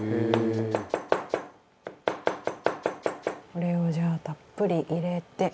これをじゃあたっぷり入れて。